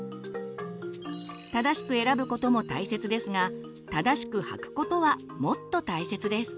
正しく選ぶことも大切ですが正しく履くことはもっと大切です。